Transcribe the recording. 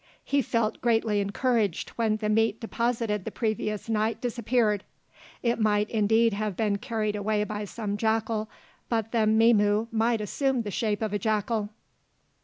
He felt greatly encouraged when the meat deposited the previous night disappeared. It might indeed have been carried away by some jackal, but the Mzimu might assume the shape of a jackal.